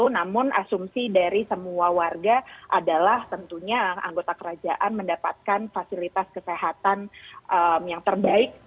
namun asumsi dari semua warga adalah tentunya anggota kerajaan mendapatkan fasilitas kesehatan yang terbaik